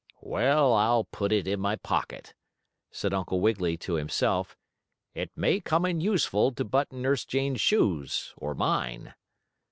"Well, I'll put it in my pocket," said Uncle Wiggily to himself. "It may come in useful to button Nurse Jane's shoes, or mine."